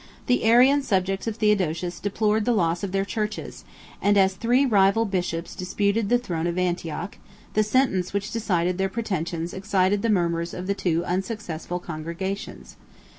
The Arian subjects of Theodosius deplored the loss of their churches; and as three rival bishops disputed the throne of Antioch, the sentence which decided their pretensions excited the murmurs of the two unsuccessful congregations.